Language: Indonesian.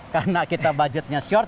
karena kita budgetnya short